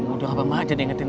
udah abang maja diingetin lagi